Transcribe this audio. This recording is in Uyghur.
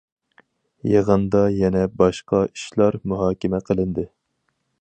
يىغىندا يەنە باشقا ئىشلار مۇھاكىمە قىلىندى.